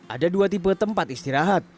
ada dua tipe tempat istirahat